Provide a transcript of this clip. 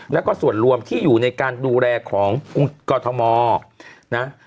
แล้วก็ส่วนรวมที่อยู่ในการดูแลของกรทมนะ